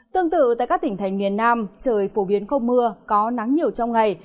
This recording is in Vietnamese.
tương tự tại các tỉnh thành miền nam trời phổ biến không mưa có nắng nhiều trong ngày